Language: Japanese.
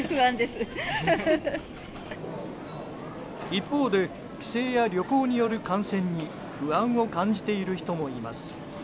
一方で、帰省や旅行による感染に不安を感じている人もいます。